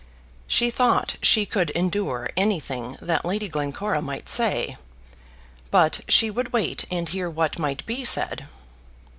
She thought she could endure anything that Lady Glencora might say; but she would wait and hear what might be said.